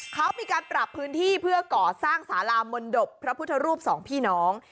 เขามีการปรับพื้นที่เพื่อก่อสร้างสารามนตบพระพุทธรูปสองพี่น้อง